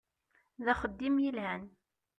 D axeddim yelhan.